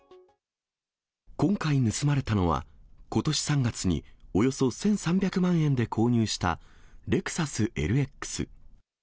今回盗まれたのは、ことし３月におよそ１３００万円で購入したレクサスＬＸ。